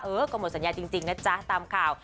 ก็หมดสัญญาจริงนะจ๊ะตามข่าว